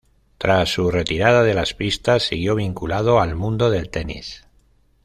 Tras su retirada de las pistas siguió vinculado al mundo del tenis.